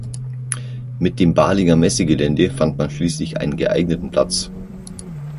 Mit dem Balinger Messegelände fand man schließlich einen geeigneten Platz.